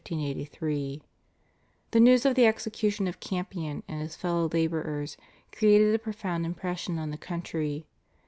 The news of the execution of Campion and his fellow labourers created a profound impression on the country.